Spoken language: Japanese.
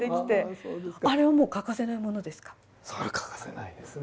それは欠かせないですね。